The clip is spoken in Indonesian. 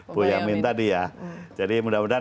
bu yamil tadi ya jadi mudah mudahan